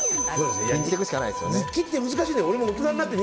日記って難しいんだよね。